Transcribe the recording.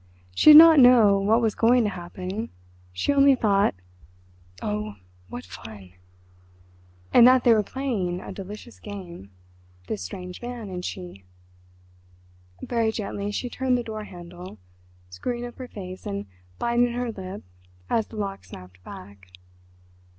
She did not know what was going to happen. She only thought: "Oh, what fun!" and that they were playing a delicious game—this strange man and she. Very gently she turned the door handle, screwing up her face and biting her lip as the lock snapped back.